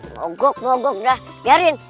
mogok mogok dah biarin